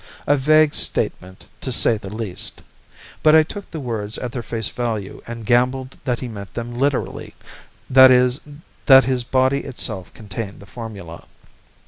A vague statement, to say the least. But I took the words at their face value and gambled that he meant them literally; that is, that his body itself contained the formula.